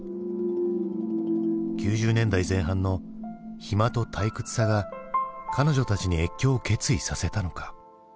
９０年代前半の暇と退屈さが彼女たちに越境を決意させたのか。